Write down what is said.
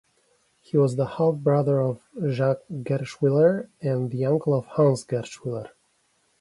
He was the half-brother of Jacques Gerschwiler and the uncle of Hans Gerschwiler.